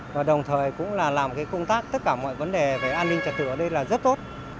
và đồng thời cũng là làm công tác tất cả mọi vấn đề về an ninh trật tự ở đây là rất tốt